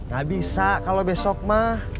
gak bisa kalau besok mah